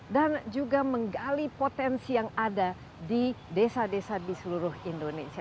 dan juga menggali potensi yang ada di desa desa di seluruh indonesia